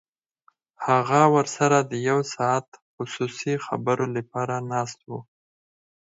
هغه ورسره د یو ساعته خصوصي خبرو لپاره ناست و